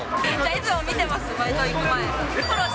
いつも見てます、バイト行く前。